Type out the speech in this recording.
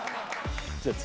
じゃあ次。